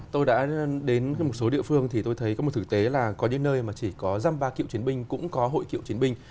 tôi đã đến một số địa phương thì tôi thấy có một thực tế là có những nơi mà chỉ có giam ba cựu chiến binh cũng có hội cựu chiến binh